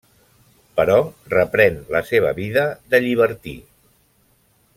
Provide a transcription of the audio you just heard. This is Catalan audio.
Però reprèn la seva vida de llibertí.